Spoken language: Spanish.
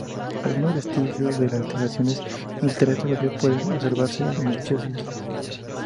Algunos vestigios de las instalaciones militares todavía pueden observarse en dichas islas.